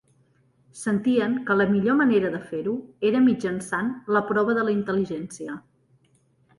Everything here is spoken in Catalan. Sentien que la millor manera de fer-ho era mitjançant la prova de la intel·ligència.